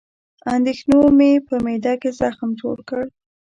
اندېښنو مې په معده کې زخم جوړ کړ